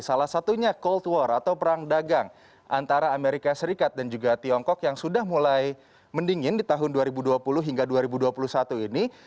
salah satunya cold war atau perang dagang antara amerika serikat dan juga tiongkok yang sudah mulai mendingin di tahun dua ribu dua puluh hingga dua ribu dua puluh satu ini